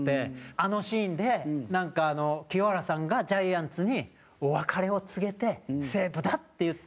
あのシーンでなんか、清原さんがジャイアンツにお別れを告げて「西武だ」っていって。